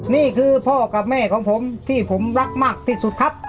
นี่คือพ่อกับแม่ของผมที่ผมรักมากที่สุดครับ